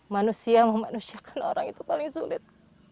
manusia memanusiakan orang itu paling sulit